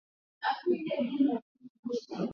Namshukuru Mola kwa kuwepo.